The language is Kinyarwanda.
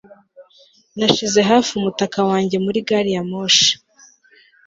Nashize hafi umutaka wanjye muri gari ya moshi